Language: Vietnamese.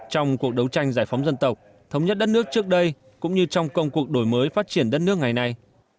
trong cuộc đấu tranh giải phóng dân tộc thống nhất đất nước trước đây cũng như trong công cuộc đổi mới phát triển đất nước ngày nay